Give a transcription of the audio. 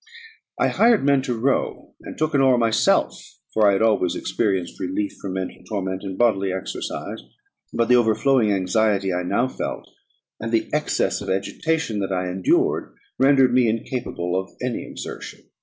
I hired men to row, and took an oar myself; for I had always experienced relief from mental torment in bodily exercise. But the overflowing misery I now felt, and the excess of agitation that I endured, rendered me incapable of any exertion.